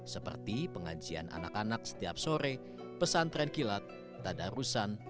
seperti pengajian anak anak setiap sore pesantren kilat tanda rusan